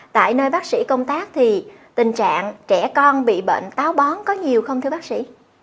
tại nơi bác sĩ công tác thì tình trạng trẻ con bị bệnh táo bón có nhiều không thưa bác sĩ